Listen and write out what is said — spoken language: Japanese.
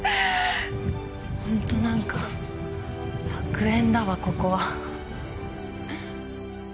ほんと、なんか楽園だわ、ここは。